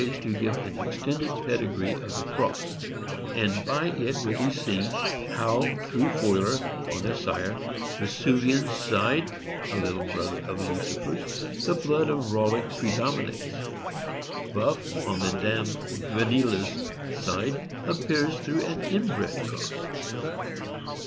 is to give an extended pedigree of the cross, and by it will be seen how, throngh Foiler, on the sire, Yesuvian's side (a litter brother of Lucifer's), the blood of Rollick predominates. Buff, on the dam, Yenilia's side, appears through an inbred cross.